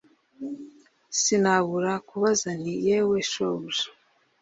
Sinabura kubaza nti Yewe shobuja